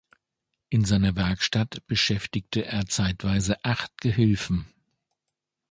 In seiner Werkstatt beschäftigte er zeitweise acht Gehilfen.